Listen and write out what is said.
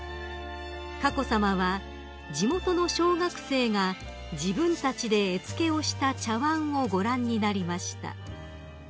［佳子さまは地元の小学生が自分たちで絵付けをした茶わんをご覧になりました］